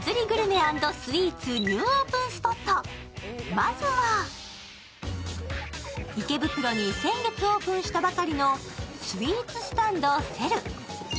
まずは池袋に先月オープンしたばかりの、ＳＷＥＥＴＳＳＴＡＮＤＣｅｌｌ。